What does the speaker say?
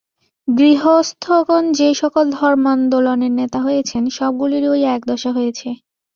গৃহস্থগণ যে-সকল ধর্মান্দোলনের নেতা হয়েছেন, সবগুলিরই ঐ এক দশা হয়েছে।